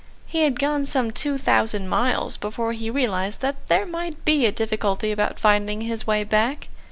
He had gone some two thousand miles before he realised that there might be a difficulty about finding his way back.